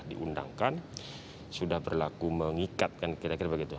diundangkan sudah berlaku mengikat kan kira kira begitu